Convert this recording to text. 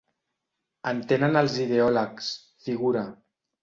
En tenen els ideòlegs, figura.